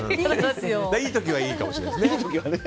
いい時はいいかもしれませんね。